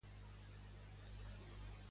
Qui és el cap de Ciutadans?